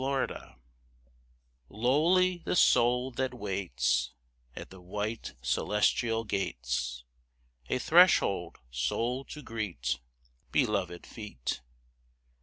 LADDIE Lowly the soul that waits At the white, celestial gates, A threshold soul to greet Belovéd feet.